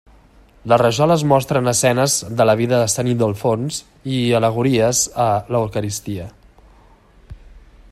Les rajoles mostren escenes de la vida de Sant Ildefons i al·legories a l'Eucaristia.